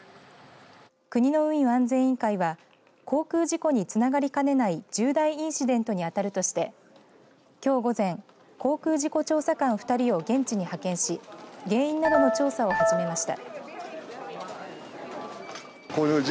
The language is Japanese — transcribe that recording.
国の運輸安全委員会は航空事故につながりかねない重大インシデントに当たるとしてきょう午前航空事故調査官２人を現地に派遣し原因などの調査を始めました。